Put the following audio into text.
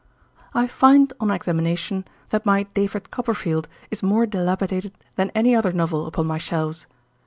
I find, on examination, that my "David Copperfield" is more dilapidated than any other novel upon my shelves.